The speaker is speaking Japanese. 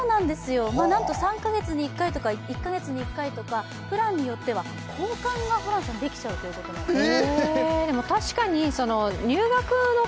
なんと３か月に１回とか１か月に１回とかプランによって交換ができちゃうということなんです。